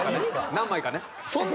何枚かね。